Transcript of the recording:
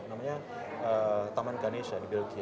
namanya taman ganesha di belgia